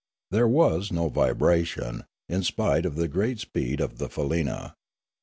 There was no vibra tion, in spite of the great speed of the faleena.